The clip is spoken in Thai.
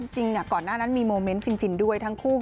จริงก่อนหน้านั้นมีโมเมนต์ฟินด้วยทั้งคู่